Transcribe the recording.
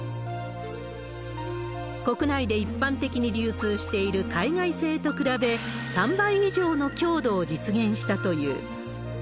国内で一般的に流通している海外製と比べ、３倍以上の強度を実現したという。